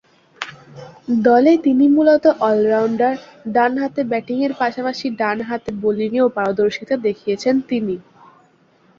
দলে তিনি মূলতঃ অল-রাউন্ডার ডানহাতে ব্যাটিংয়ের পাশাপাশি ডানহাতে বোলিংয়েও পারদর্শিতা দেখিয়েছেন তিনি।